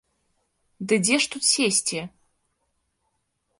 Ды дзе ж тут сесці?